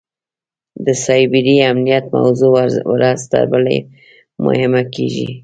د سایبري امنیت موضوع ورځ تر بلې مهمه کېږي.